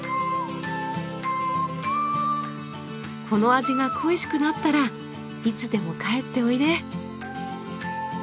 この味が恋しくなったらいつでも帰っておいで。